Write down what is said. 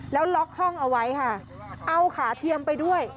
แล้วล็อกห้องเอาไว้ค่ะเอาขาเทียมไปด้วย